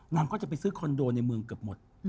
นางก็จะไปซื้อคอนโดในเมืองเกือบหมด